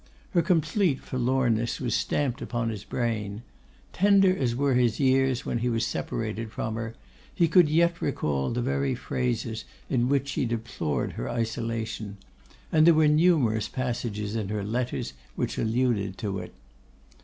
Her complete forlornness was stamped upon his brain. Tender as were his years when he was separated from her, he could yet recall the very phrases in which she deplored her isolation; and there were numerous passages in her letters which alluded to it.